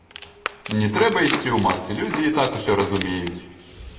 Не трэба ісці ў масы, людзі і так усё разумеюць.